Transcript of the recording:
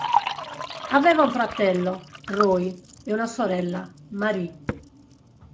Aveva un fratello, "Roy", e una sorella, Marie.